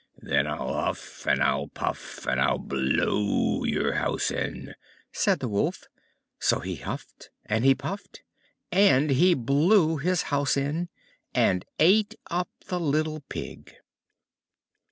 "Then I'll huff and I'll puff, and I'll blow your house in!" said the Wolf. So he huffed, and he puffed, and he blew his house in, and ate up the little Pig.